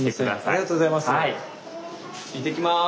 ありがとうございます。